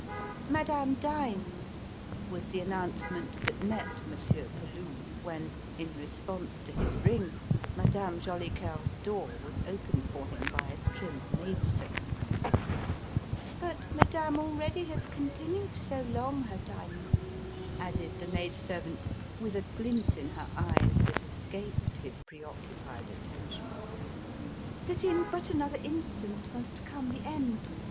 "Madame dines," was the announcement that met Monsieur Peloux when, in response to his ring, Madame Jolicoeur's door was opened for him by a trim maid servant. "But Madame already has continued so long her dining," added the maid servant, with a glint in her eyes that escaped his preoccupied attention, "that in but another instant must come the end.